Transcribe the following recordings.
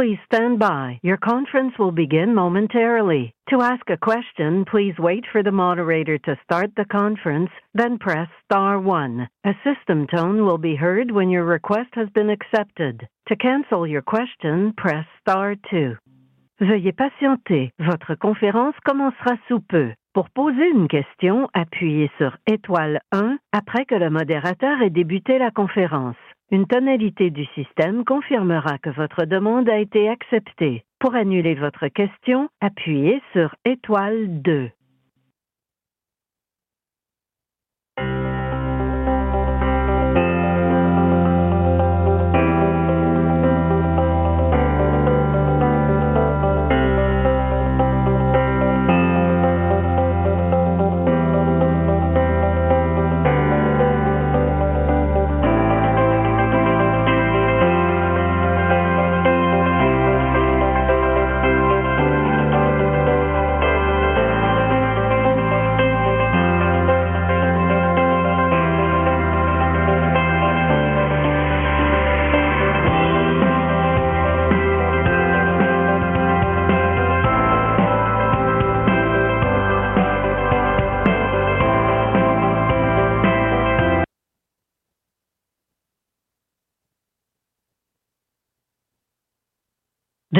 Please stand by. Your conference will begin momentarily. To ask a question, please wait for the moderator to start the conference, then press star one. A system tone will be heard when your request has been accepted. To cancel your question, press star two. Veuillez patienter, votre conférence commencera sous peu. Pour poser une question, appuyez sur étoile un après que le modérateur ait débuté la conférence. Une tonalité du système confirmera que votre demande a été acceptée. Pour annuler votre question, appuyez sur étoile deux.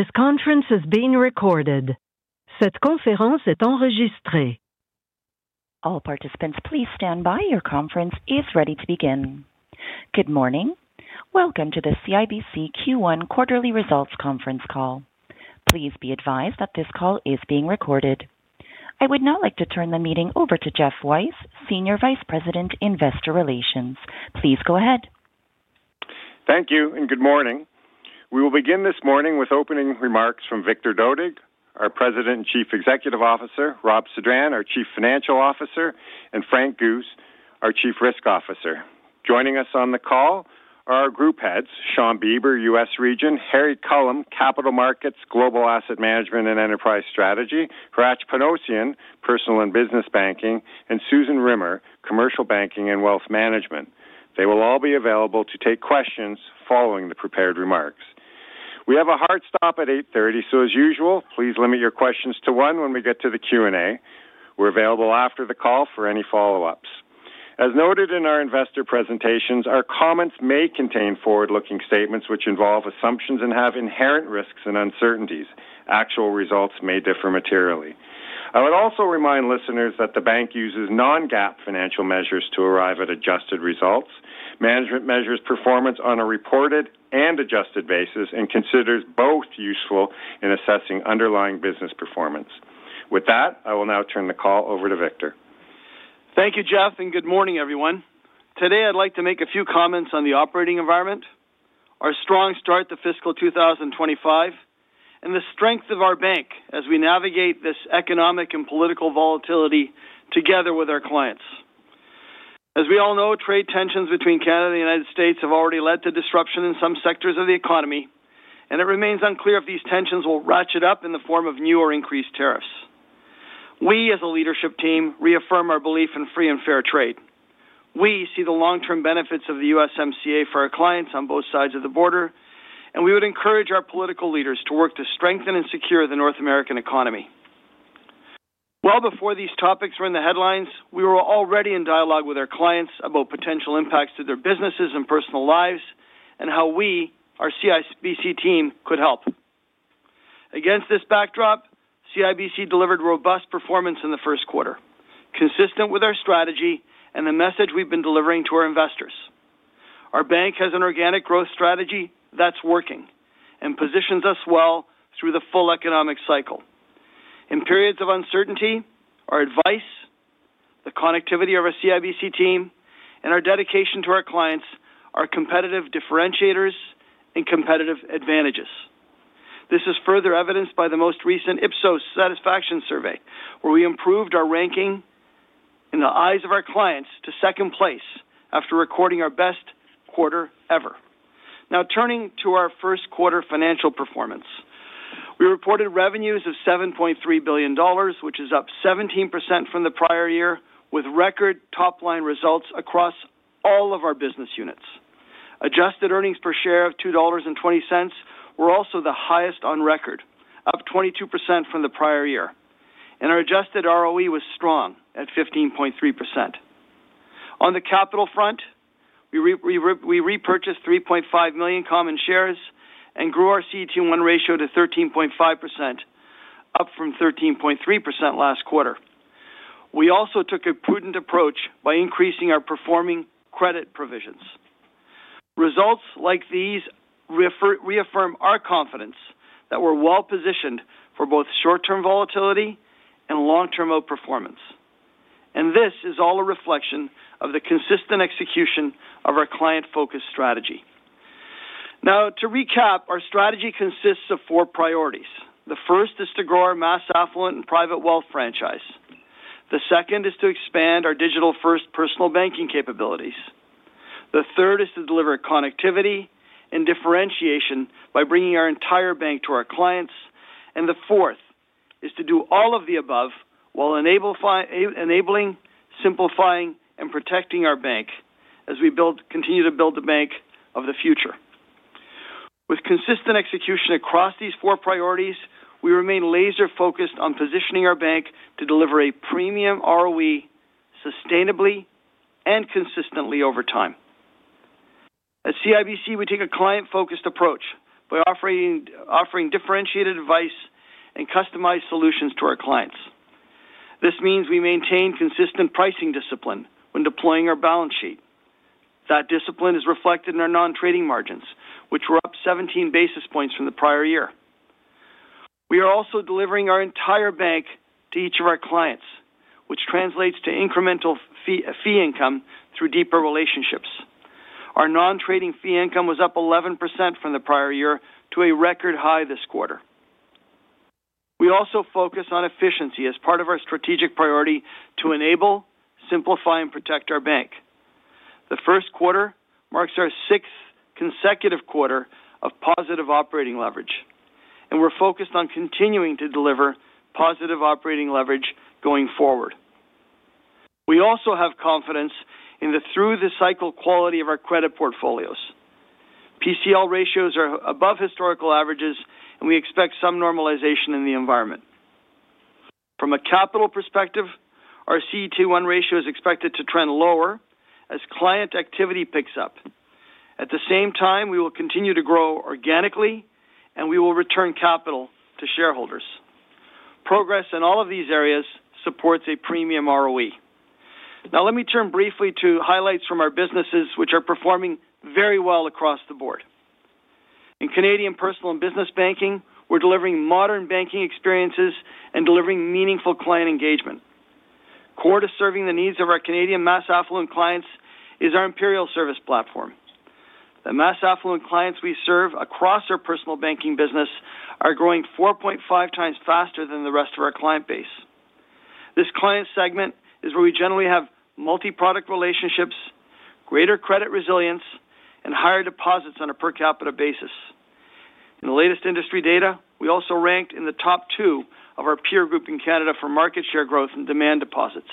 This conference has been recorded. Cette conférence est enregistrée. All participants, please stand by. Your conference is ready to begin. Good morning. Welcome to the CIBC Q1 quarterly results conference call. Please be advised that this call is being recorded. I would now like to turn the meeting over to Geoff Weiss, Senior Vice President, Investor Relations. Please go ahead. Thank you and good morning. We will begin this morning with opening remarks from Victor Dodig, our President and Chief Executive Officer, Rob Sedran, our Chief Financial Officer, and Frank Guse, our Chief Risk Officer. Joining us on the call are our group heads: Shawn Beber, U.S. Region, Harry Culham, Capital Markets, Global Asset Management and Enterprise Strategy, Hratch Panossian, Personal and Business Banking, and Susan Rimmer, Commercial Banking and Wealth Management. They will all be available to take questions following the prepared remarks. We have a hard stop at 8:30 A.M., so as usual, please limit your questions to one when we get to the Q&A. We're available after the call for any follow-ups. As noted in our investor presentations, our comments may contain forward-looking statements which involve assumptions and have inherent risks and uncertainties. Actual results may differ materially. I would also remind listeners that the bank uses non-GAAP financial measures to arrive at adjusted results, management measures performance on a reported and adjusted basis, and considers both useful in assessing underlying business performance. With that, I will now turn the call over to Victor. Thank you, Geoff, and good morning, everyone. Today, I'd like to make a few comments on the operating environment, our strong start to fiscal 2025, and the strength of our bank as we navigate this economic and political volatility together with our clients. As we all know, trade tensions between Canada and the United States have already led to disruption in some sectors of the economy, and it remains unclear if these tensions will ratchet up in the form of new or increased tariffs. We, as a leadership team, reaffirm our belief in free and fair trade. We see the long-term benefits of the USMCA for our clients on both sides of the border, and we would encourage our political leaders to work to strengthen and secure the North American economy. Before these topics were in the headlines, we were already in dialogue with our clients about potential impacts to their businesses and personal lives and how we, our CIBC team, could help. Against this backdrop, CIBC delivered robust performance in the Q1, consistent with our strategy and the message we've been delivering to our investors. Our bank has an organic growth strategy that's working and positions us well through the full economic cycle. In periods of uncertainty, our advice, the connectivity of our CIBC team, and our dedication to our clients are competitive differentiators and competitive advantages. This is further evidenced by the most recent Ipsos satisfaction survey, where we improved our ranking in the eyes of our clients to second place after recording our best quarter ever. Now, turning to our Q1 financial performance, we reported revenues of 7.3 billion dollars, which is up 17% from the prior year, with record top-line results across all of our business units. Adjusted earnings per share of 2.20 dollars were also the highest on record, up 22% from the prior year, and our adjusted ROE was strong at 15.3%. On the capital front, we repurchased 3.5 million common shares and grew our CET1 ratio to 13.5%, up from 13.3% last quarter. We also took a prudent approach by increasing our performing credit provisions. Results like these reaffirm our confidence that we're well-positioned for both short-term volatility and long-term outperformance, and this is all a reflection of the consistent execution of our client-focused strategy. Now, to recap, our strategy consists of four priorities. The first is to grow our mass affluent and private wealth franchise. The second is to expand our digital-first personal banking capabilities. The third is to deliver connectivity and differentiation by bringing our entire bank to our clients. And the fourth is to do all of the above while enabling, simplifying, and protecting our bank as we continue to build the bank of the future. With consistent execution across these four priorities, we remain laser-focused on positioning our bank to deliver a premium ROE sustainably and consistently over time. At CIBC, we take a client-focused approach by offering differentiated advice and customized solutions to our clients. This means we maintain consistent pricing discipline when deploying our balance sheet. That discipline is reflected in our non-trading margins, which were up 17 basis points from the prior year. We are also delivering our entire bank to each of our clients, which translates to incremental fee income through deeper relationships. Our non-trading fee income was up 11% from the prior year to a record high this quarter. We also focus on efficiency as part of our strategic priority to enable, simplify, and protect our bank. The Q1 marks our sixth consecutive quarter of positive operating leverage, and we're focused on continuing to deliver positive operating leverage going forward. We also have confidence in the through-the-cycle quality of our credit portfolios. PCL ratios are above historical averages, and we expect some normalization in the environment. From a capital perspective, our CET1 ratio is expected to trend lower as client activity picks up. At the same time, we will continue to grow organically, and we will return capital to shareholders. Progress in all of these areas supports a premium ROE. Now, let me turn briefly to highlights from our businesses, which are performing very well across the board. In Canadian Personal and Business Banking, we're delivering modern banking experiences and delivering meaningful client engagement. Core to serving the needs of our Canadian mass affluent clients is our Imperial Service Platform. The mass affluent clients we serve across our personal banking business are growing 4.5 times faster than the rest of our client base. This client segment is where we generally have multi-product relationships, greater credit resilience, and higher deposits on a per capita basis. In the latest industry data, we also ranked in the top two of our peer group in Canada for market share growth and demand deposits.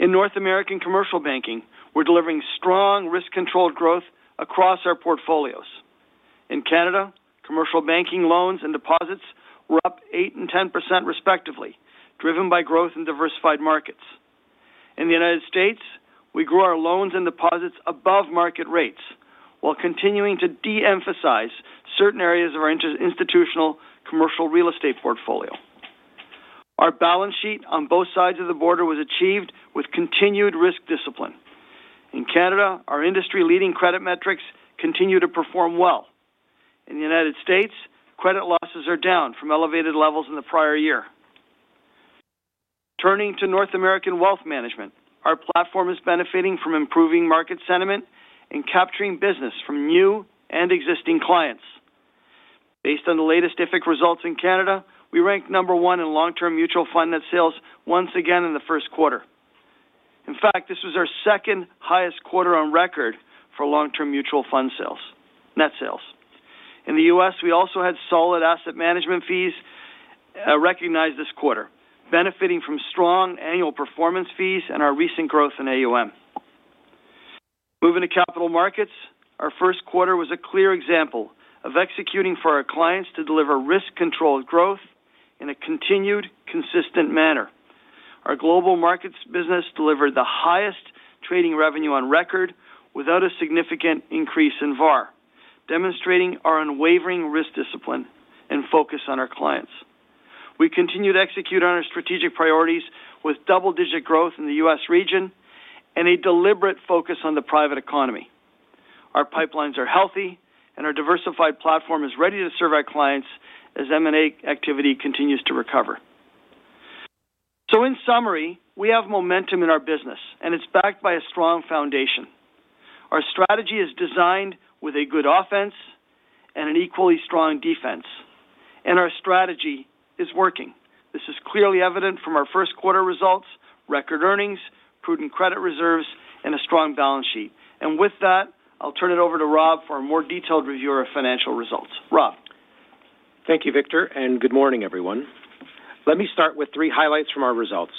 In North American Commercial Banking, we're delivering strong risk-controlled growth across our portfolios. In Canada, Commercial Banking loans and deposits were up 8% and 10% respectively, driven by growth in diversified markets. In the United States, we grew our loans and deposits above market rates while continuing to de-emphasize certain areas of our institutional commercial real estate portfolio. Our balance sheet on both sides of the border was achieved with continued risk discipline. In Canada, our industry-leading credit metrics continue to perform well. In the United States, credit losses are down from elevated levels in the prior year. Turning to North American Wealth Management, our platform is benefiting from improving market sentiment and capturing business from new and existing clients. Based on the latest IFIC results in Canada, we ranked number one in long-term mutual fund net sales once again in the Q1. In fact, this was our second highest quarter on record for long-term mutual fund net sales. In the U.S., we also had solid asset management fees recognized this quarter, benefiting from strong annual performance fees and our recent growth in AUM. Moving to Capital Markets, our Q1 was a clear example of executing for our clients to deliver risk-controlled growth in a continued, consistent manner. Our Global Markets business delivered the highest trading revenue on record without a significant increase in VAR, demonstrating our unwavering risk discipline and focus on our clients. We continued to execute on our strategic priorities with double-digit growth in the U.S. region and a deliberate focus on the private economy. Our pipelines are healthy, and our diversified platform is ready to serve our clients as M&A activity continues to recover. So, in summary, we have momentum in our business, and it's backed by a strong foundation. Our strategy is designed with a good offense and an equally strong defense, and our strategy is working. This is clearly evident from our Q1 results, record earnings, prudent credit reserves, and a strong balance sheet, and with that, I'll turn it over to Rob for a more detailed review of our financial results. Robert. Thank you, Victor, and good morning, everyone. Let me start with three highlights from our results.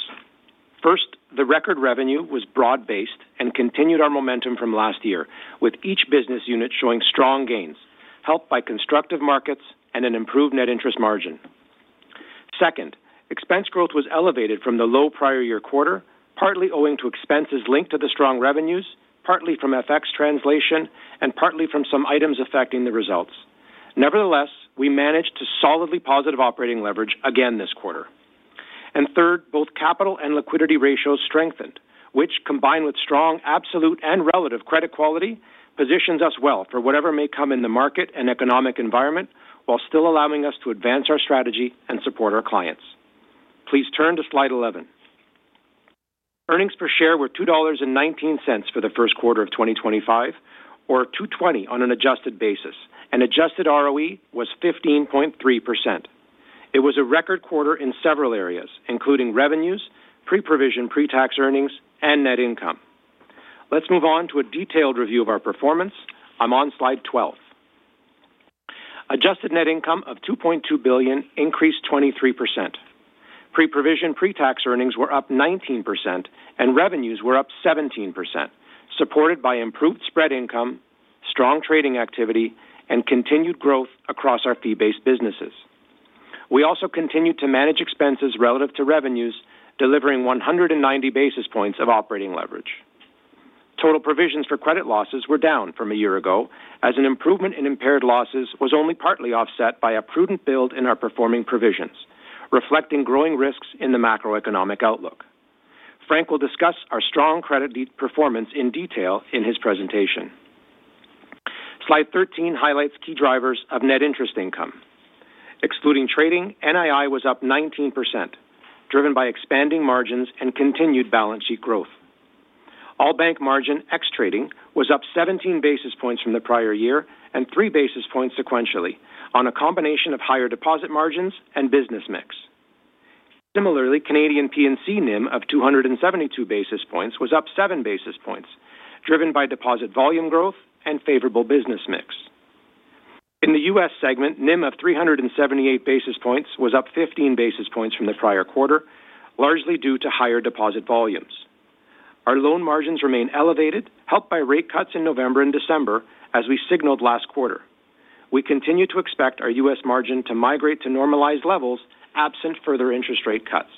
First, the record revenue was broad-based and continued our momentum from last year, with each business unit showing strong gains, helped by constructive markets and an improved net interest margin. Second, expense growth was elevated from the low prior year quarter, partly owing to expenses linked to the strong revenues, partly from FX translation, and partly from some items affecting the results. Nevertheless, we managed to solidly positive operating leverage again this quarter, and third, both capital and liquidity ratios strengthened, which, combined with strong absolute and relative credit quality, positions us well for whatever may come in the market and economic environment while still allowing us to advance our strategy and support our clients. Please turn to slide 11. Earnings per share were $2.19 for the Q1 of 2025, or $2.20 on an adjusted basis, and adjusted ROE was 15.3%. It was a record quarter in several areas, including revenues, pre-provision, pre-tax earnings, and net income. Let's move on to a detailed review of our performance. I'm on slide 12. Adjusted net income of $2.2 billion increased 23%. Pre-provision, pre-tax earnings were up 19%, and revenues were up 17%, supported by improved spread income, strong trading activity, and continued growth across our fee-based businesses. We also continued to manage expenses relative to revenues, delivering 190 basis points of operating leverage. Total provisions for credit losses were down from a year ago, as an improvement in impaired losses was only partly offset by a prudent build in our performing provisions, reflecting growing risks in the macroeconomic outlook. Frank will discuss our strong credit performance in detail in his presentation. Slide 13 highlights key drivers of net interest income. Excluding trading, NII was up 19%, driven by expanding margins and continued balance sheet growth. All bank margin ex-trading was up 17 basis points from the prior year and 3 basis points sequentially on a combination of higher deposit margins and business mix. Similarly, Canadian P&C NIM of 272 basis points was up 7 basis points, driven by deposit volume growth and favorable business mix. In the U.S. segment, NIM of 378 basis points was up 15 basis points from the prior quarter, largely due to higher deposit volumes. Our loan margins remain elevated, helped by rate cuts in November and December, as we signaled last quarter. We continue to expect our U.S. margin to migrate to normalized levels absent further interest rate cuts.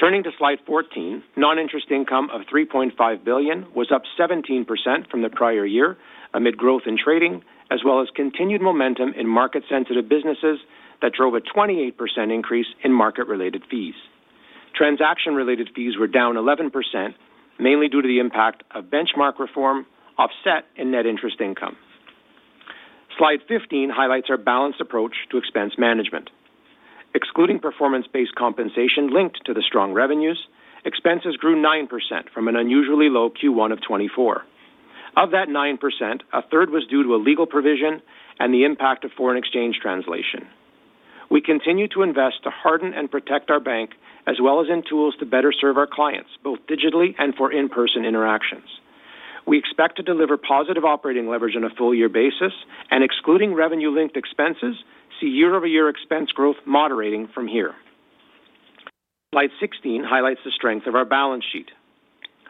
Turning to slide 14, non-interest income of 3.5 billion was up 17% from the prior year amid growth in trading, as well as continued momentum in market-sensitive businesses that drove a 28% increase in market-related fees. Transaction-related fees were down 11%, mainly due to the impact of benchmark reform offset in net interest income. Slide 15 highlights our balanced approach to expense management. Excluding performance-based compensation linked to the strong revenues, expenses grew 9% from an unusually low Q1 of 2024. Of that 9%, a third was due to a legal provision and the impact of foreign exchange translation. We continue to invest to harden and protect our bank, as well as in tools to better serve our clients, both digitally and for in-person interactions. We expect to deliver positive operating leverage on a full-year basis, and excluding revenue-linked expenses, see year-over-year expense growth moderating from here. Slide 16 highlights the strength of our balance sheet.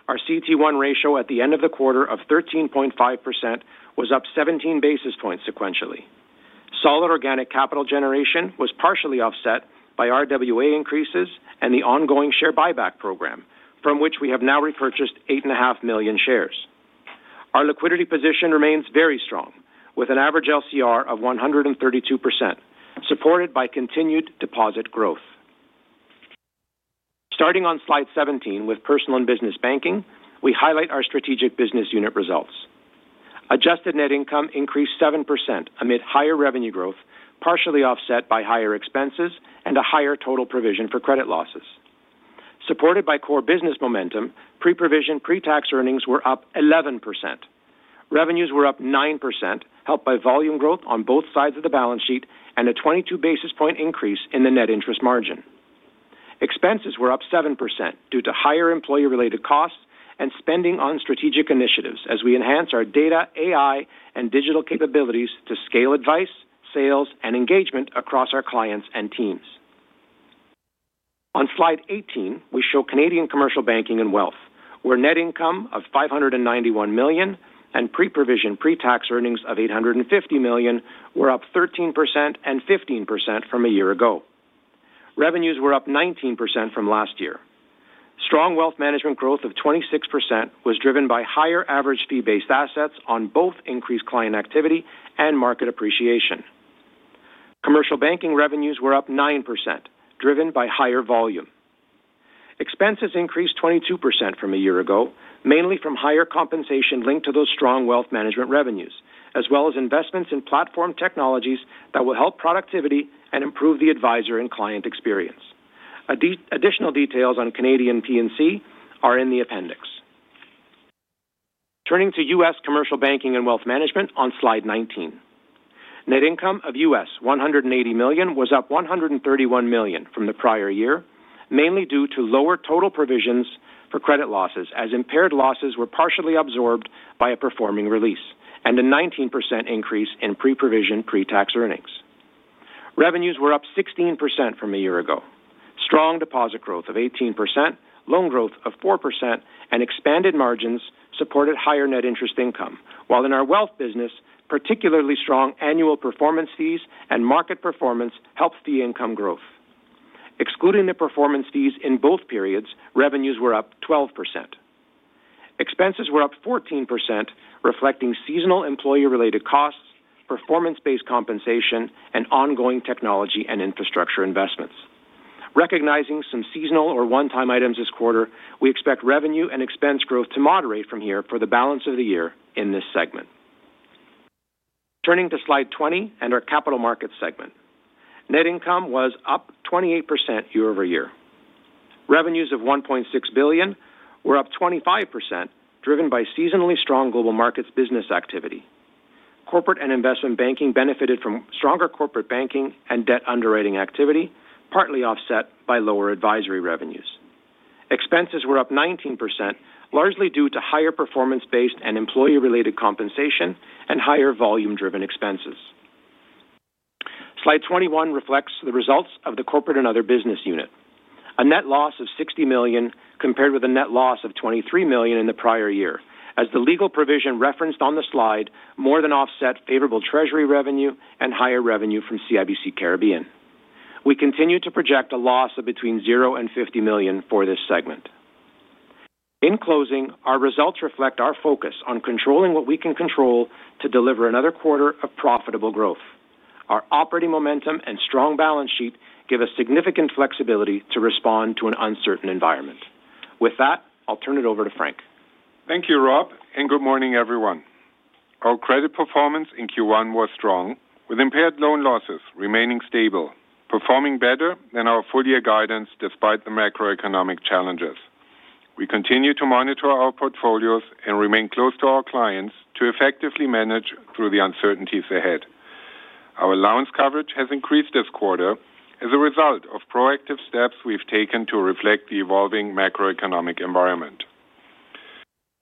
Our CET1 ratio at the end of the quarter of 13.5% was up 17 basis points sequentially. Solid organic capital generation was partially offset by RWA increases and the ongoing share buyback program, from which we have now repurchased 8.5 million shares. Our liquidity position remains very strong, with an average LCR of 132%, supported by continued deposit growth. Starting on slide 17 with Personal and Business Banking, we highlight our strategic business unit results. Adjusted net income increased 7% amid higher revenue growth, partially offset by higher expenses and a higher total provision for credit losses. Supported by core business momentum, pre-provision, pre-tax earnings were up 11%. Revenues were up 9%, helped by volume growth on both sides of the balance sheet and a 22 basis point increase in the net interest margin. Expenses were up 7% due to higher employee-related costs and spending on strategic initiatives as we enhance our data, AI, and digital capabilities to scale advice, sales, and engagement across our clients and teams. On slide 18, we show Canadian Commercial Banking and Wealth, where net income of 591 million and pre-provision, pre-tax earnings of 850 million were up 13% and 15% from a year ago. Revenues were up 19% from last year. Strong wealth management growth of 26% was driven by higher average fee-based assets on both increased client activity and market appreciation. Commercial banking revenues were up 9%, driven by higher volume. Expenses increased 22% from a year ago, mainly from higher compensation linked to those strong wealth management revenues, as well as investments in platform technologies that will help productivity and improve the advisor and client experience. Additional details on Canadian P&C are in the appendix. Turning to U.S. Commercial Banking and Wealth Management on slide 19. Net income of U.S. $180 million was up $131 million from the prior year, mainly due to lower total provisions for credit losses as impaired losses were partially absorbed by a performing release and a 19% increase in pre-provision, pre-tax earnings. Revenues were up 16% from a year ago. Strong deposit growth of 18%, loan growth of 4%, and expanded margins supported higher net interest income, while in our wealth business, particularly strong annual performance fees and market performance helped fee income growth. Excluding the performance fees in both periods, revenues were up 12%. Expenses were up 14%, reflecting seasonal employee-related costs, performance-based compensation, and ongoing technology and infrastructure investments. Recognizing some seasonal or one-time items this quarter, we expect revenue and expense growth to moderate from here for the balance of the year in this segment. Turning to slide 20 and our Capital Markets segment. Net income was up 28% year-over-year. Revenues of 1.6 billion were up 25%, driven by seasonally strong global markets business activity. Corporate and Investment banking benefited from stronger corporate banking and debt underwriting activity, partly offset by lower advisory revenues. Expenses were up 19%, largely due to higher performance-based and employee-related compensation and higher volume-driven expenses. Slide 21 reflects the results of the Corporate and Other business unit. A net loss of 60 million compared with a net loss of 23 million in the prior year, as the legal provision referenced on the slide more than offset favorable treasury revenue and higher revenue from CIBC Caribbean. We continue to project a loss of between 0 and 50 million for this segment. In closing, our results reflect our focus on controlling what we can control to deliver another quarter of profitable growth. Our operating momentum and strong balance sheet give us significant flexibility to respond to an uncertain environment. With that, I'll turn it over to Frank. Thank you, Robert, and good morning, everyone. Our credit performance in Q1 was strong, with impaired loan losses remaining stable, performing better than our full-year guidance despite the macroeconomic challenges. We continue to monitor our portfolios and remain close to our clients to effectively manage through the uncertainties ahead. Our allowance coverage has increased this quarter as a result of proactive steps we've taken to reflect the evolving macroeconomic environment.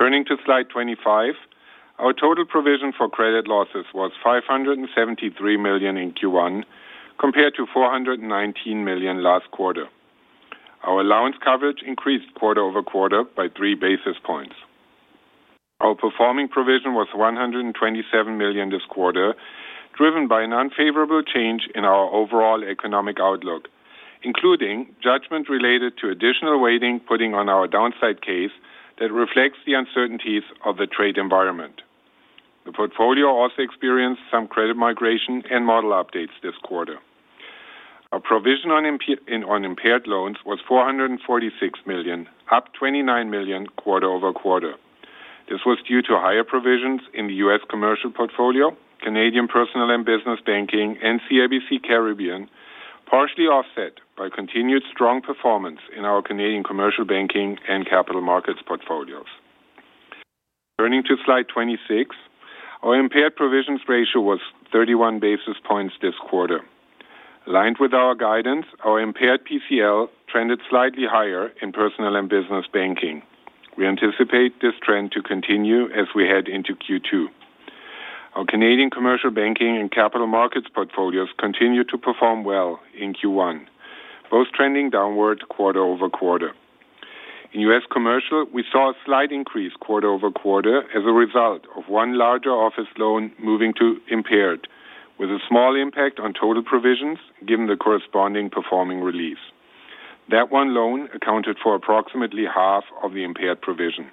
Turning to slide 25, our total provision for credit losses was 573 million in Q1, compared to 419 million last quarter. Our allowance coverage increased quarter over quarter by 3 basis points. Our performing provision was 127 million this quarter, driven by an unfavorable change in our overall economic outlook, including judgment related to additional weighting putting on our downside case that reflects the uncertainties of the trade environment. The portfolio also experienced some credit migration and model updates this quarter. Our provision on impaired loans was $446 million, up $29 million quarter over quarter. This was due to higher provisions in the U.S. commercial portfolio, Canadian personal and business banking, and CIBC Caribbean, partially offset by continued strong performance in our Canadian commercial banking and Capital Markets portfolios. Turning to slide 26, our impaired provisions ratio was 31 basis points this quarter. Aligned with our guidance, our impaired PCL trended slightly higher in personal and business banking. We anticipate this trend to continue as we head into Q2. Our Canadian commercial banking and Capital Markets portfolios continued to perform well in Q1, both trending downward quarter over quarter. In U.S. commercial, we saw a slight increase quarter over quarter as a result of one larger office loan moving to impaired, with a small impact on total provisions given the corresponding performing release. That one loan accounted for approximately half of the impaired provision.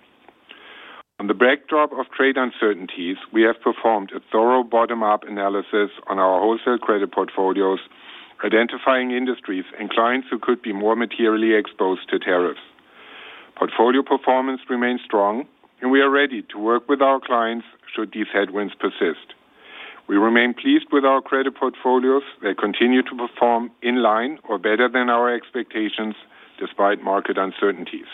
On the backdrop of trade uncertainties, we have performed a thorough bottom-up analysis on our wholesale credit portfolios, identifying industries and clients who could be more materially exposed to tariffs. Portfolio performance remains strong, and we are ready to work with our clients should these headwinds persist. We remain pleased with our credit portfolios. They continue to perform in line or better than our expectations despite market uncertainties.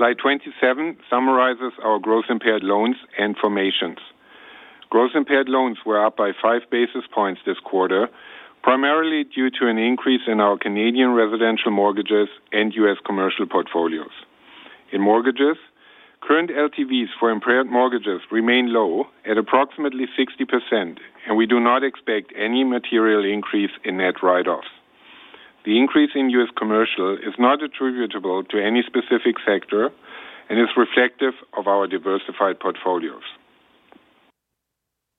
Slide 27 summarizes our gross impaired loans and formations. Gross impaired loans were up by five basis points this quarter, primarily due to an increase in our Canadian residential mortgages and U.S. commercial portfolios. In mortgages, current LTVs for impaired mortgages remain low at approximately 60%, and we do not expect any material increase in net write-offs. The increase in U.S. commercial is not attributable to any specific sector and is reflective of our diversified portfolios.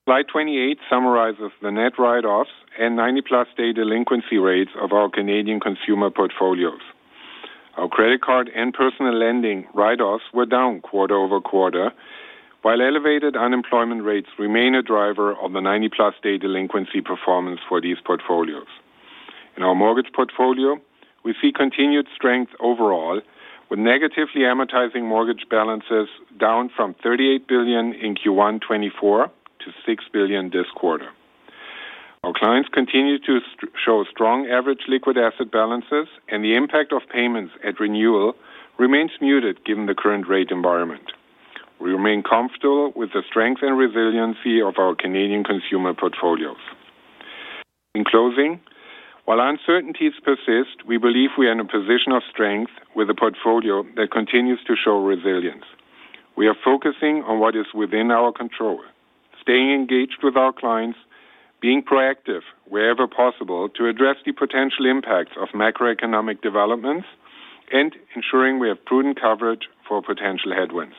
Slide 28 summarizes the net write-offs and 90-plus day delinquency rates of our Canadian consumer portfolios. Our credit card and personal lending write-offs were down quarter over quarter, while elevated unemployment rates remain a driver of the 90-plus day delinquency performance for these portfolios. In our mortgage portfolio, we see continued strength overall, with negatively amortizing mortgage balances down from 38 billion in Q1 2024 to 6 billion this quarter. Our clients continue to show strong average liquid asset balances, and the impact of payments at renewal remains muted given the current rate environment. We remain comfortable with the strength and resiliency of our Canadian consumer portfolios. In closing, while uncertainties persist, we believe we are in a position of strength with a portfolio that continues to show resilience. We are focusing on what is within our control, staying engaged with our clients, being proactive wherever possible to address the potential impacts of macroeconomic developments, and ensuring we have prudent coverage for potential headwinds.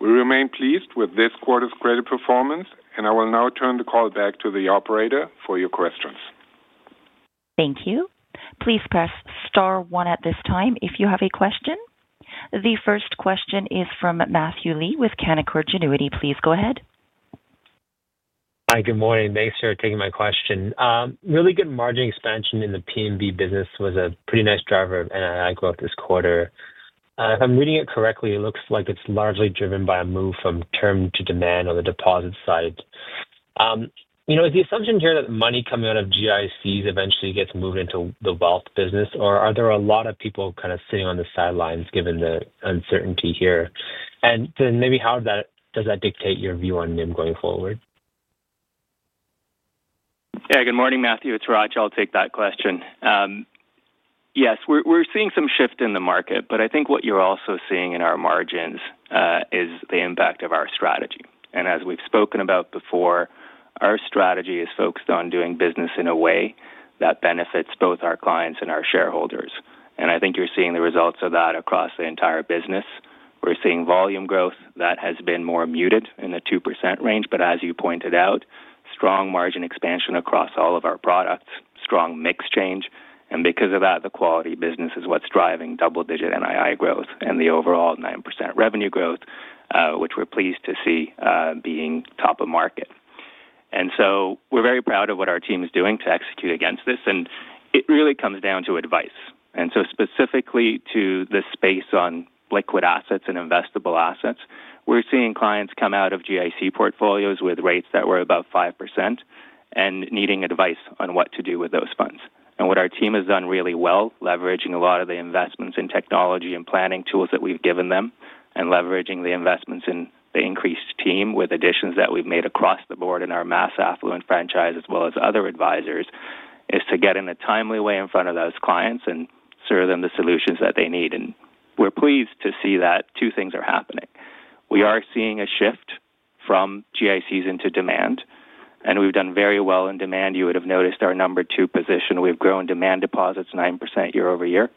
We remain pleased with this quarter's credit performance, and I will now turn the call back to the operator for your questions. Thank you. Please press star one at this time if you have a question. The first question is from Matthew Lee with Canaccord Genuity. Please go ahead. Hi, good morning. Thanks for taking my question. Really good margin expansion in the P&B business was a pretty nice driver of NII growth this quarter. If I'm reading it correctly, it looks like it's largely driven by a move from term to demand on the deposit side. Is the assumption here that the money coming out of GICs eventually gets moved into the wealth business, or are there a lot of people kind of sitting on the sidelines given the uncertainty here? And then maybe how does that dictate your view on NIM going forward? Yeah, good morning, Matthew. It's Hratch. I'll take that question. Yes, we're seeing some shift in the market, but I think what you're also seeing in our margins is the impact of our strategy, and as we've spoken about before, our strategy is focused on doing business in a way that benefits both our clients and our shareholders. I think you're seeing the results of that across the entire business. We're seeing volume growth that has been more muted in the 2% range, but as you pointed out, strong margin expansion across all of our products, strong mix change, and because of that, the quality business is what's driving double-digit NII growth and the overall 9% revenue growth, which we're pleased to see being top of market, and so we're very proud of what our team is doing to execute against this, and it really comes down to advice. And so specifically to the space on liquid assets and investable assets, we're seeing clients come out of GIC portfolios with rates that were above 5% and needing advice on what to do with those funds. And what our team has done really well, leveraging a lot of the investments in technology and planning tools that we've given them and leveraging the investments in the increased team with additions that we've made across the board in our mass affluent franchise as well as other advisors, is to get in a timely way in front of those clients and serve them the solutions that they need. we're pleased to see that two things are happening. We are seeing a shift from GICs into demand, and we've done very well in demand. You would have noticed our number two position. We've grown demand deposits 9% year over year,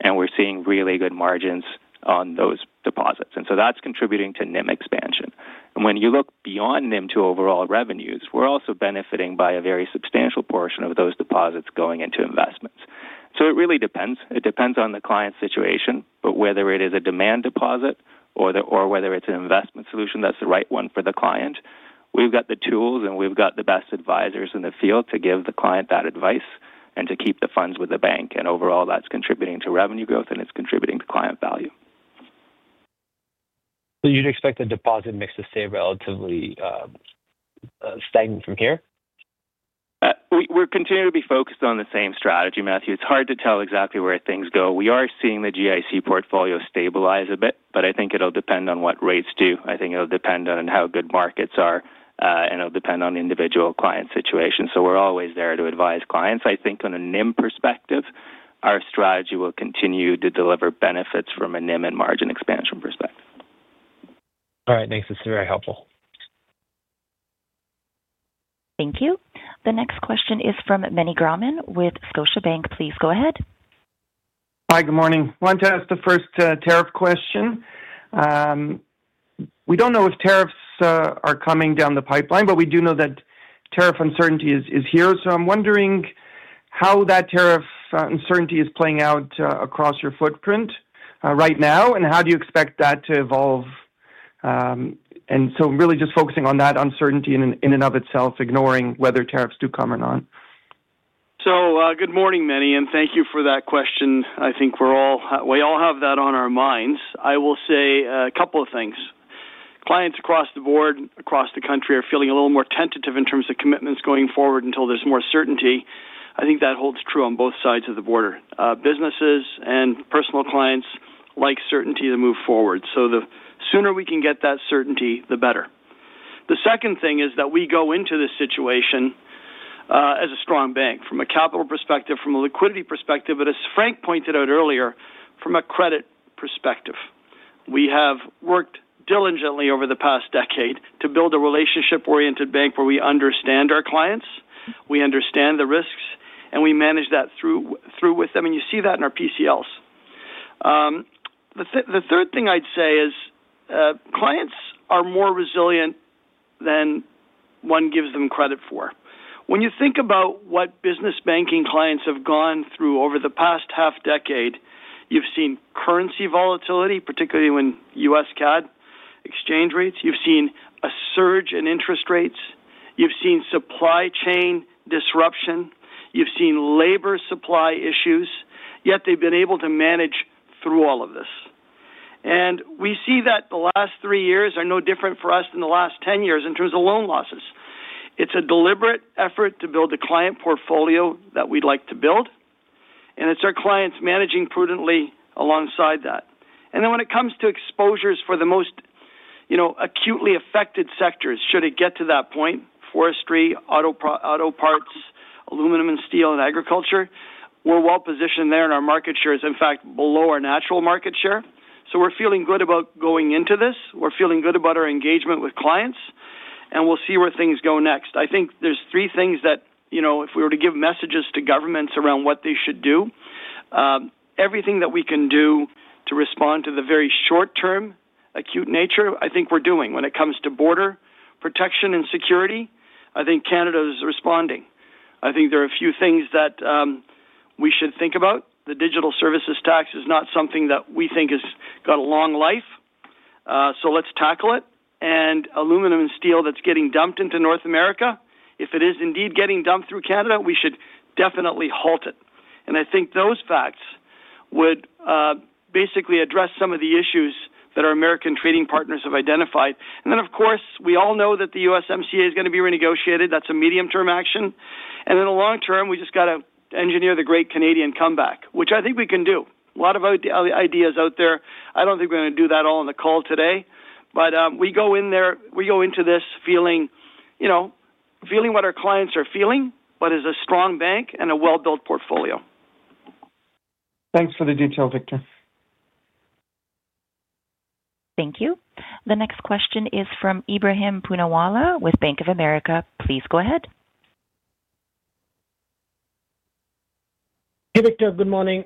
and we're seeing really good margins on those deposits. And so that's contributing to NIM expansion. And when you look beyond NIM to overall revenues, we're also benefiting by a very substantial portion of those deposits going into investments. So it really depends. It depends on the client's situation, but whether it is a demand deposit or whether it's an investment solution that's the right one for the client, we've got the tools and we've got the best advisors in the field to give the client that advice and to keep the funds with the bank. And overall, that's contributing to revenue growth and it's contributing to client value. So you'd expect the deposit mix to stay relatively stagnant from here? We're continuing to be focused on the same strategy, Matthew. It's hard to tell exactly where things go. We are seeing the GIC portfolio stabilize a bit, but I think it'll depend on what rates do. I think it'll depend on how good markets are, and it'll depend on the individual client situation. So we're always there to advise clients. I think on a NIM perspective, our strategy will continue to deliver benefits from a NIM and margin expansion perspective. All right, thanks. This is very helpful. Thank you. The next question is from Meny Grauman with Scotiabank. Please go ahead. Hi, good morning. Wanted to ask the first tariff question. We don't know if tariffs are coming down the pipeline, but we do know that tariff uncertainty is here. So I'm wondering how that tariff uncertainty is playing out across your footprint right now, and how do you expect that to evolve? And so really just focusing on that uncertainty in and of itself, ignoring whether tariffs do come or not. So good morning, Manny, and thank you for that question. I think we all have that on our minds. I will say a couple of things. Clients across the board, across the country, are feeling a little more tentative in terms of commitments going forward until there's more certainty. I think that holds true on both sides of the border. Businesses and personal clients like certainty to move forward. So the sooner we can get that certainty, the better. The second thing is that we go into this situation as a strong bank from a capital perspective, from a liquidity perspective, but as Frank pointed out earlier, from a credit perspective. We have worked diligently over the past decade to build a relationship-oriented bank where we understand our clients, we understand the risks, and we manage that through with them. And you see that in our PCLs. The third thing I'd say is clients are more resilient than one gives them credit for. When you think about what business banking clients have gone through over the past half-decade, you've seen currency volatility, particularly when U.S. CAD exchange rates. You've seen a surge in interest rates. You've seen supply chain disruption. You've seen labor supply issues. Yet they've been able to manage through all of this. And we see that the last three years are no different for us than the last 10 years in terms of loan losses. It's a deliberate effort to build a client portfolio that we'd like to build, and it's our clients managing prudently alongside that. And then when it comes to exposures for the most acutely affected sectors, should it get to that point, forestry, auto parts, aluminum and steel, and agriculture, we're well positioned there in our market shares, in fact, below our natural market share. So we're feeling good about going into this. We're feeling good about our engagement with clients, and we'll see where things go next. I think there's three things that if we were to give messages to governments around what they should do, everything that we can do to respond to the very short-term acute nature, I think we're doing when it comes to border protection and security, I think Canada is responding. I think there are a few things that we should think about. The digital services tax is not something that we think has got a long life, so let's tackle it. And aluminum and steel that's getting dumped into North America, if it is indeed getting dumped through Canada, we should definitely halt it. And I think those facts would basically address some of the issues that our American trading partners have identified. And then, of course, we all know that the USMCA is going to be renegotiated. That's a medium-term action. And in the long term, we just got to engineer the great Canadian comeback, which I think we can do. A lot of ideas out there. I don't think we're going to do that all on the call today, but we go in there. We go into this feeling what our clients are feeling, but as a strong bank and a well-built portfolio. Thanks for the detail, Victor. Thank you. The next question is from Ibrahim Punawala with Bank of America. Please go ahead. Hey, Victor. Good morning.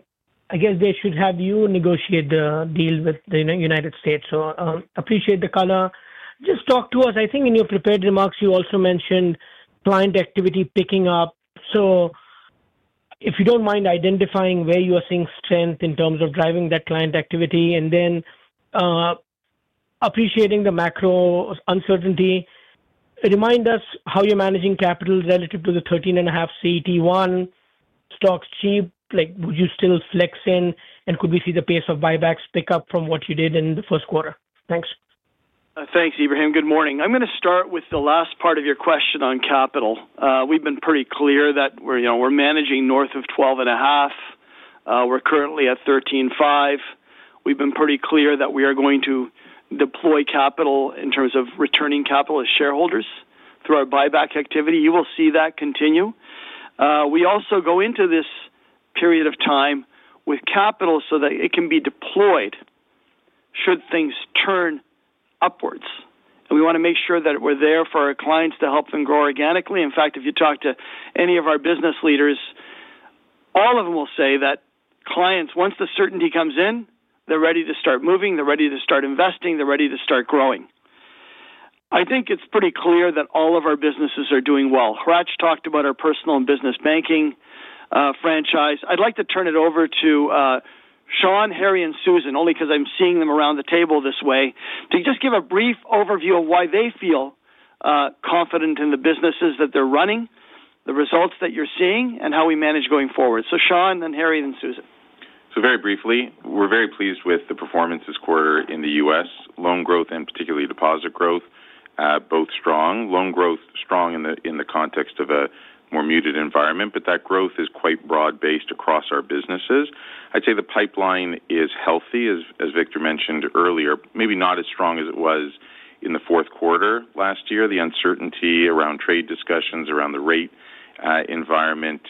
I guess they should have you negotiate the deal with the United States. So appreciate the color. Just talk to us. I think in your prepared remarks, you also mentioned client activity picking up. So if you don't mind identifying where you are seeing strength in terms of driving that client activity and then appreciating the macro uncertainty, remind us how you're managing capital relative to the 13.5 CET1. Stock's cheap. Would you still flex in, and could we see the pace of buybacks pick up from what you did in the Q1? Thanks. Thanks, Ibrahim. Good morning. I'm going to start with the last part of your question on capital. We've been pretty clear that we're managing north of 12.5. We're currently at 13.5. We've been pretty clear that we are going to deploy capital in terms of returning capital to shareholders through our buyback activity. You will see that continue. We also go into this period of time with capital so that it can be deployed should things turn upwards, and we want to make sure that we're there for our clients to help them grow organically. In fact, if you talk to any of our business leaders, all of them will say that clients, once the certainty comes in, they're ready to start moving. They're ready to start investing. They're ready to start growing. I think it's pretty clear that all of our businesses are doing well. Rach talked about our personal and business banking franchise. I'd like to turn it over to Shawn, Harry, and Susan only because I'm seeing them around the table this way to just give a brief overview of why they feel confident in the businesses that they're running, the results that you're seeing, and how we manage going forward. So Shawn, Harry, and Susan. So very briefly, we're very pleased with the performance this quarter in the U.S. Loan growth and particularly deposit growth, both strong. Loan growth strong in the context of a more muted environment, but that growth is quite broad-based across our businesses. I'd say the pipeline is healthy, as Victor mentioned earlier. Maybe not as strong as it was in the Q4 last year. The uncertainty around trade discussions, around the rate environment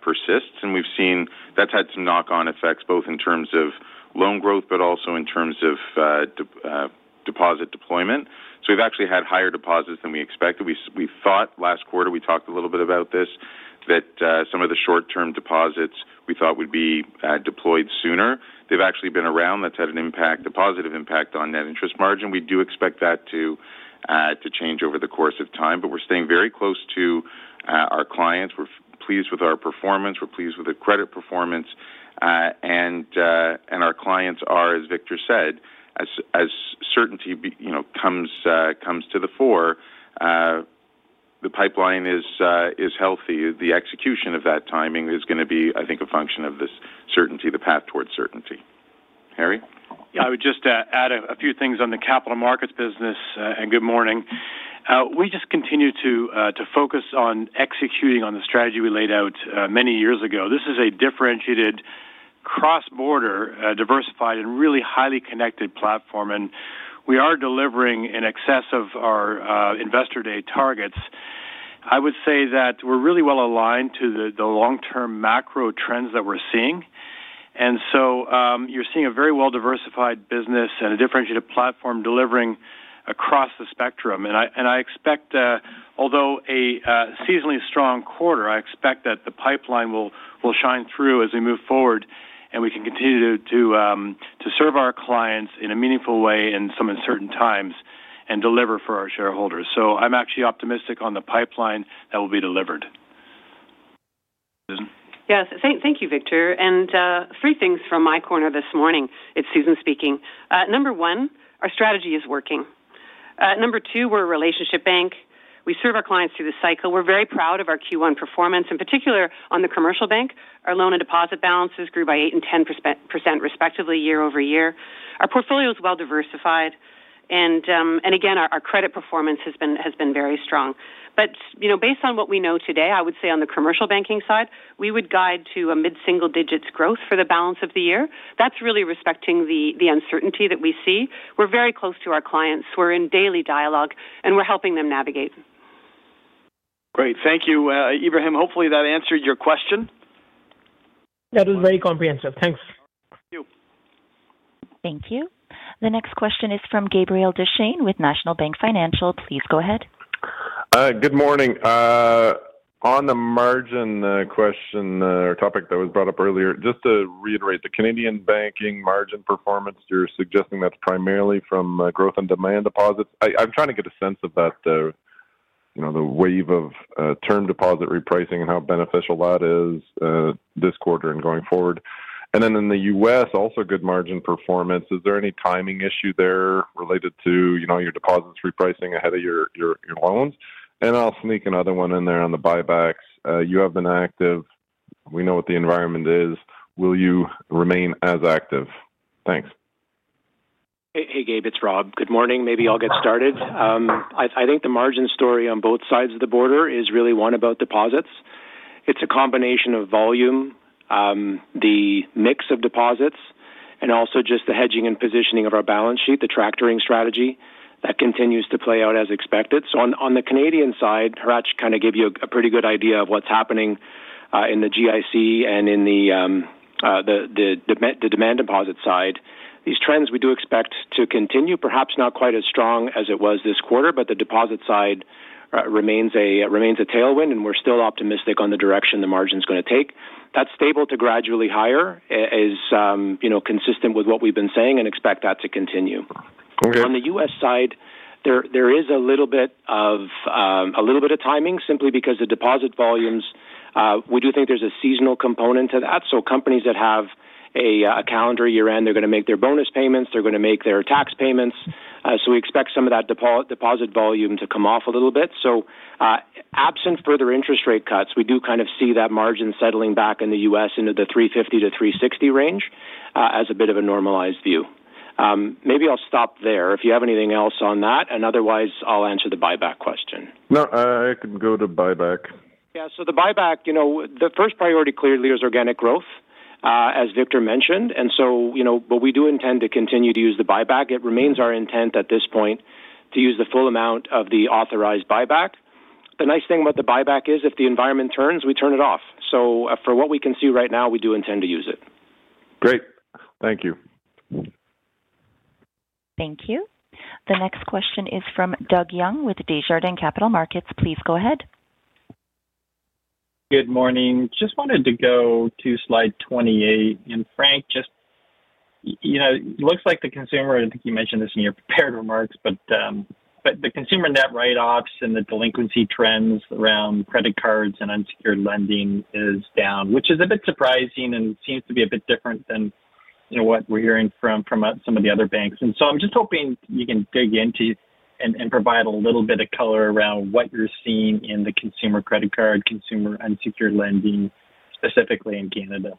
persists, and we've seen that's had some knock-on effects both in terms of loan growth but also in terms of deposit deployment. So we've actually had higher deposits than we expected. We thought last quarter, we talked a little bit about this, that some of the short-term deposits we thought would be deployed sooner. They've actually been around. That's had a positive impact on net interest margin. We do expect that to change over the course of time, but we're staying very close to our clients. We're pleased with our performance. We're pleased with the credit performance. And our clients are, as Victor said, as certainty comes to the fore, the pipeline is healthy. The execution of that timing is going to be, I think, a function of this certainty, the path towards certainty. Harry? Yeah, I would just add a few things on the Capital Markets business. And good morning. We just continue to focus on executing on the strategy we laid out many years ago. This is a differentiated, cross-border, diversified, and really highly connected platform. And we are delivering in excess of our investor day targets. I would say that we're really well aligned to the long-term macro trends that we're seeing. And so you're seeing a very well-diversified business and a differentiated platform delivering across the spectrum. I expect, although a seasonally strong quarter, I expect that the pipeline will shine through as we move forward and we can continue to serve our clients in a meaningful way in some uncertain times and deliver for our shareholders. So I'm actually optimistic on the pipeline that will be delivered. Yes. Thank you, Victor. And three things from my corner this morning. It's Susan speaking. Number one, our strategy is working. Number two, we're a relationship bank. We serve our clients through the cycle. We're very proud of our Q1 performance. In particular, on the commercial bank, our loan and deposit balances grew by 8% and 10% respectively year over year. Our portfolio is well-diversified. And again, our credit performance has been very strong. But based on what we know today, I would say on the commercial banking side, we would guide to a mid-single digits growth for the balance of the year. That's really respecting the uncertainty that we see. We're very close to our clients. We're in daily dialogue, and we're helping them navigate. Great. Thank you, Ibrahim. Hopefully, that answered your question. That was very comprehensive. Thanks. Thank you. Thank you. The next question is from Gabriel Dechaine with National Bank Financial. Please go ahead. Good morning. On the margin question or topic that was brought up earlier, just to reiterate the Canadian banking margin performance, you're suggesting that's primarily from growth and demand deposits. I'm trying to get a sense of the wave of term deposit repricing and how beneficial that is this quarter and going forward. And then in the U.S., also good margin performance. Is there any timing issue there related to your deposits repricing ahead of your loans? And I'll sneak another one in there on the buybacks. You have been active. We know what the environment is. Will you remain as active? Thanks. Hey, Gabe. It's Rob. Good morning. Maybe I'll get started. I think the margin story on both sides of the border is really one about deposits. It's a combination of volume, the mix of deposits, and also just the hedging and positioning of our balance sheet, the factoring strategy that continues to play out as expected. So on the Canadian side, Rach kind of gave you a pretty good idea of what's happening in the GIC and in the demand deposit side. These trends we do expect to continue, perhaps not quite as strong as it was this quarter, but the deposit side remains a tailwind, and we're still optimistic on the direction the margin's going to take. That's stable to gradually higher, is consistent with what we've been saying and expect that to continue. On the U.S. side, there is a little bit of timing simply because the deposit volumes, we do think there's a seasonal component to that. So companies that have a calendar year-end, they're going to make their bonus payments. They're going to make their tax payments. So we expect some of that deposit volume to come off a little bit. So absent further interest rate cuts, we do kind of see that margin settling back in the U.S. into the 350-360 range as a bit of a normalized view. Maybe I'll stop there. If you have anything else on that, and otherwise, I'll answer the buyback question. No, I can go to buyback. Yeah. So the buyback, the first priority clearly is organic growth, as Victor mentioned, and so we do intend to continue to use the buyback. It remains our intent at this point to use the full amount of the authorized buyback. The nice thing about the buyback is if the environment turns, we turn it off, so for what we can see right now, we do intend to use it. Great. Thank you. Thank you. The next question is from Doug Young with Desjardins Capital Markets. Please go ahead. Good morning. Just wanted to go to slide 28, and Frank, just it looks like the consumer, I think you mentioned this in your prepared remarks, but the consumer net write-offs and the delinquency trends around credit cards and unsecured lending is down, which is a bit surprising and seems to be a bit different than what we're hearing from some of the other banks, and so I'm just hoping you can dig into and provide a little bit of color around what you're seeing in the consumer credit card, consumer unsecured lending, specifically in Canada.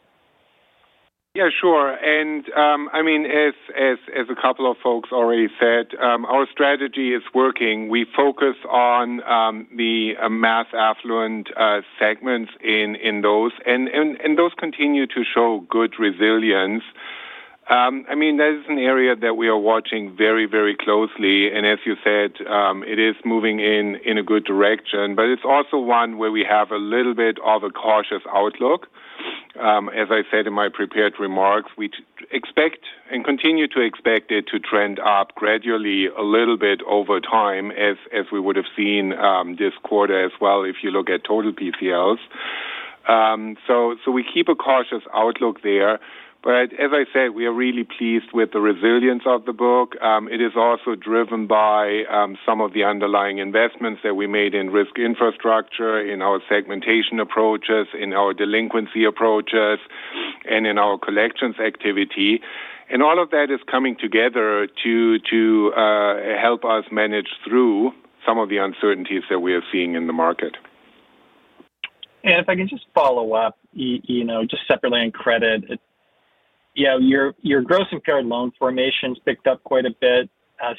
Yeah, sure. I mean, as a couple of folks already said, our strategy is working. We focus on the mass affluent segments in those, and those continue to show good resilience. I mean, that is an area that we are watching very, very closely. As you said, it is moving in a good direction, but it's also one where we have a little bit of a cautious outlook. As I said in my prepared remarks, we expect and continue to expect it to trend up gradually a little bit over time as we would have seen this quarter as well if you look at total PCLs. So we keep a cautious outlook there. But as I said, we are really pleased with the resilience of the book. It is also driven by some of the underlying investments that we made in risk infrastructure, in our segmentation approaches, in our delinquency approaches, and in our collections activity, and all of that is coming together to help us manage through some of the uncertainties that we are seeing in the market. If I can just follow up, just separately on credit, yeah, your gross impaired loan formation's picked up quite a bit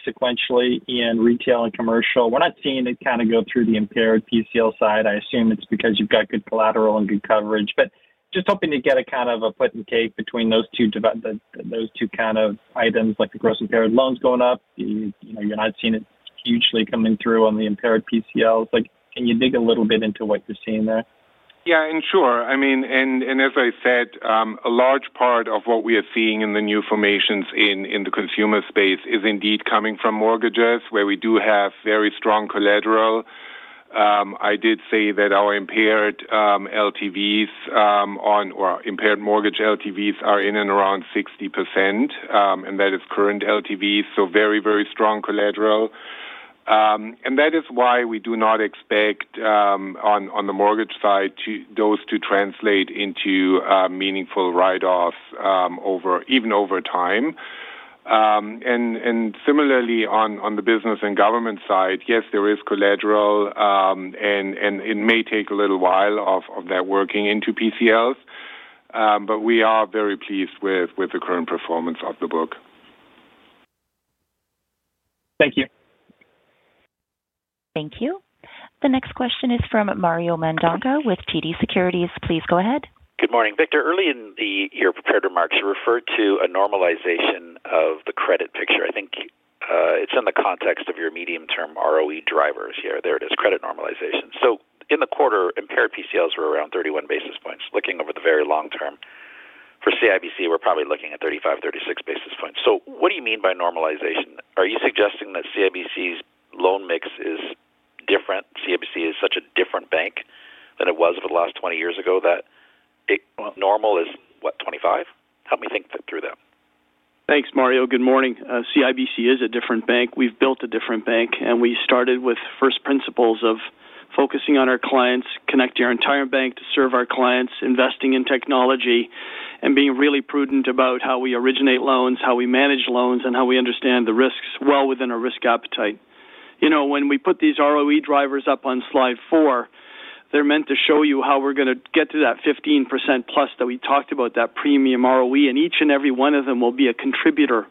sequentially in retail and commercial. We're not seeing it kind of go through the impaired PCL side. I assume it's because you've got good collateral and good coverage. But just hoping to get a kind of a put and take between those two kind of items, like the gross impaired loans going up. You're not seeing it hugely coming through on the impaired PCLs. Can you dig a little bit into what you're seeing there? Yeah, and sure. I mean, and as I said, a large part of what we are seeing in the new formations in the consumer space is indeed coming from mortgages where we do have very strong collateral. I did say that our impaired LTVs or impaired mortgage LTVs are in and around 60%, and that is current LTVs. So very, very strong collateral. And that is why we do not expect on the mortgage side those to translate into meaningful write-offs even over time. And similarly, on the business and government side, yes, there is collateral, and it may take a little while of that working into PCLs. But we are very pleased with the current performance of the book. Thank you. Thank you. The next question is from Mario Mendonca with TD Securities. Please go ahead. Good morning. Victor, early in your prepared remarks, you referred to a normalization of the credit picture. I think it's in the context of your medium-term ROE drivers here. There it is, credit normalization. So in the quarter, impaired PCLs were around 31 basis points. Looking over the very long term for CIBC, we're probably looking at 35, 36 basis points. So what do you mean by normalization? Are you suggesting that CIBC's loan mix is different? CIBC is such a different bank than it was over the last 20 years ago that normal is, what, 25? Help me think through that. Thanks, Mario. Good morning. CIBC is a different bank. We've built a different bank, and we started with first principles of focusing on our clients, connecting our entire bank to serve our clients, investing in technology, and being really prudent about how we originate loans, how we manage loans, and how we understand the risks well within our risk appetite. When we put these ROE drivers up on slide four, they're meant to show you how we're going to get to that 15% plus that we talked about, that premium ROE, and each and every one of them will be a contributor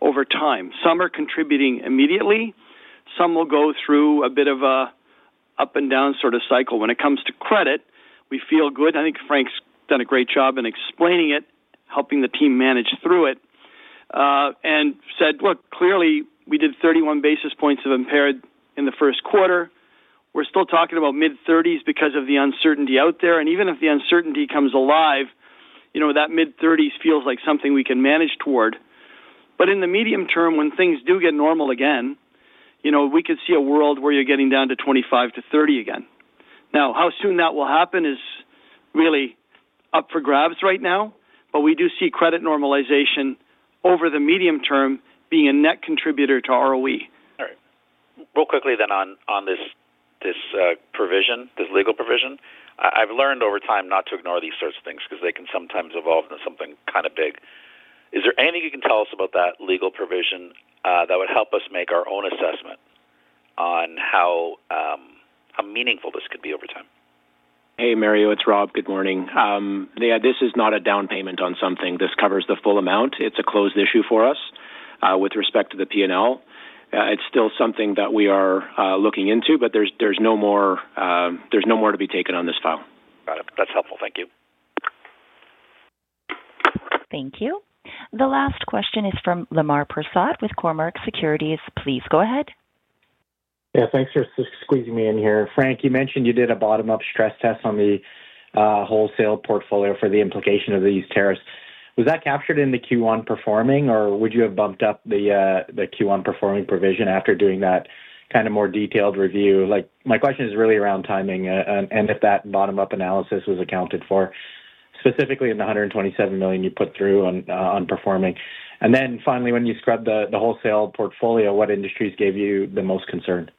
over time. Some are contributing immediately. Some will go through a bit of an up-and-down sort of cycle. When it comes to credit, we feel good. I think Frank's done a great job in explaining it, helping the team manage through it, and said, "Look, clearly, we did 31 basis points of impaired in the Q1. We're still talking about mid-30s because of the uncertainty out there. And even if the uncertainty comes alive, that mid-30s feels like something we can manage toward. But in the medium term, when things do get normal again, we could see a world where you're getting down to 25-30 again. Now, how soon that will happen is really up for grabs right now, but we do see credit normalization over the medium term being a net contributor to ROE. All right. Really quickly then on this provision, this legal provision, I've learned over time not to ignore these sorts of things because they can sometimes evolve into something kind of big. Is there anything you can tell us about that legal provision that would help us make our own assessment on how meaningful this could be over time? Hey, Mario. It's Rob. Good morning. Yeah, this is not a down payment on something. This covers the full amount. It's a closed issue for us with respect to the P&L. It's still something that we are looking into, but there's no more to be taken on this file. Got it. That's helpful. Thank you. Thank you. The last question is from Lemar Persaud with Cormark Securities. Please go ahead. Yeah. Thanks for squeezing me in here. Frank, you mentioned you did a bottom-up stress test on the wholesale portfolio for the implication of these tariffs. Was that captured in the Q1 performing, or would you have bumped up the Q1 performing provision after doing that kind of more detailed review? My question is really around timing and if that bottom-up analysis was accounted for, specifically in the $127 million you put through on performing. And then finally, when you scrubbed the wholesale portfolio, what industries gave you the most concern?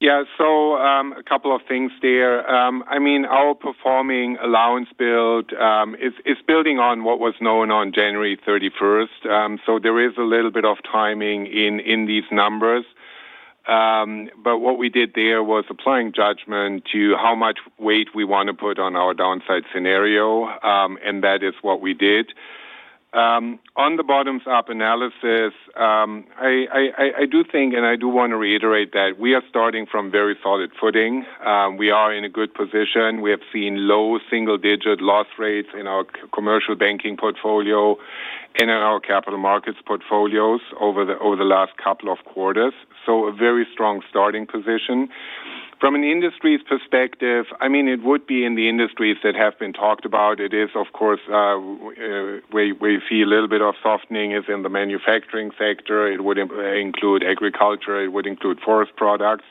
Yeah. So a couple of things there. I mean, our performing allowance build is building on what was known on January 31st. So there is a little bit of timing in these numbers. But what we did there was applying judgment to how much weight we want to put on our downside scenario, and that is what we did. On the bottom-up analysis, I do think, and I do want to reiterate that we are starting from very solid footing. We are in a good position. We have seen low single-digit loss rates in our commercial banking portfolio and in our Capital Markets portfolios over the last couple of quarters. So a very strong starting position. From an industry's perspective, I mean, it would be in the industries that have been talked about. It is, of course, where you see a little bit of softening is in the manufacturing sector. It would include agriculture. It would include forest products.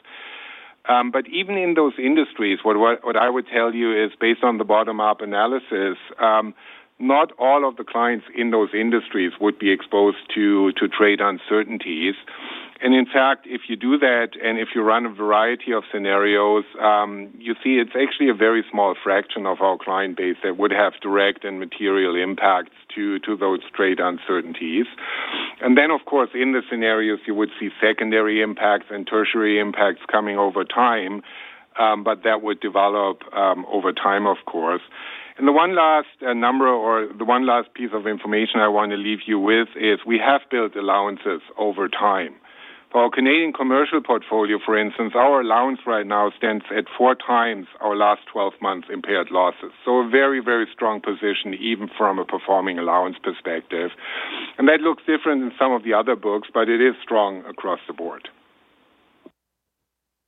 But even in those industries, what I would tell you is based on the bottom-up analysis, not all of the clients in those industries would be exposed to trade uncertainties. And in fact, if you do that and if you run a variety of scenarios, you see it's actually a very small fraction of our client base that would have direct and material impacts to those trade uncertainties. And then, of course, in the scenarios, you would see secondary impacts and tertiary impacts coming over time, but that would develop over time, of course. And the one last number or the one last piece of information I want to leave you with is we have built allowances over time. For our Canadian commercial portfolio, for instance, our allowance right now stands at four times our last 12 months' impaired losses. So a very, very strong position even from a performing allowance perspective. And that looks different in some of the other books, but it is strong across the board.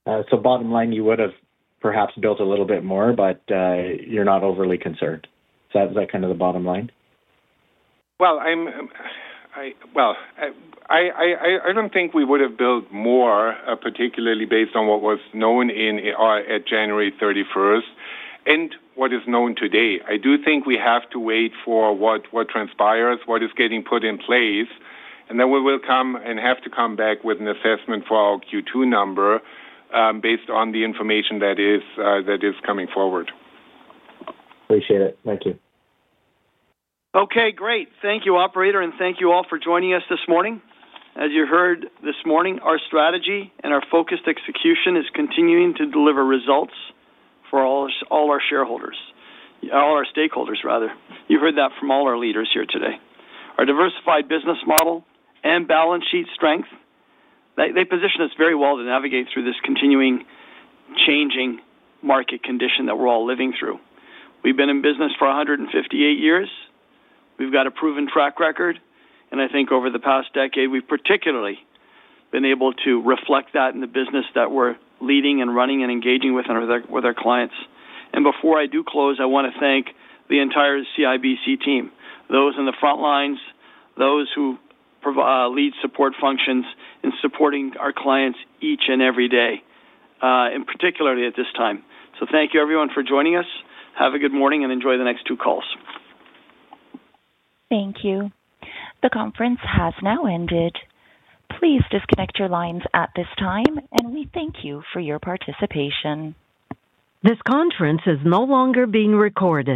Bottom line, you would have perhaps built a little bit more, but you're not overly concerned. Is that kind of the bottom line? I don't think we would have built more, particularly based on what was known at January 31st and what is known today. I do think we have to wait for what transpires, what is getting put in place, and then we will come and have to come back with an assessment for our Q2 number based on the information that is coming forward. Appreciate it. Thank you. Okay. Great. Thank you, operator, and thank you all for joining us this morning. As you heard this morning, our strategy and our focused execution is continuing to deliver results for all our shareholders, all our stakeholders, rather. You've heard that from all our leaders here today. Our diversified business model and balance sheet strength, they position us very well to navigate through this continuing changing market condition that we're all living through. We've been in business for 158 years. We've got a proven track record. I think over the past decade, we've particularly been able to reflect that in the business that we're leading and running and engaging with our clients. And before I do close, I want to thank the entire CIBC team, those in the front lines, those who lead support functions in supporting our clients each and every day, and particularly at this time. So thank you, everyone, for joining us. Have a good morning and enjoy the next two calls. Thank you. The conference has now ended. Please disconnect your lines at this time, and we thank you for your participation. This conference is no longer being recorded.